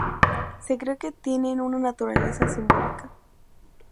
Se cree que tienen una naturaleza simbólica.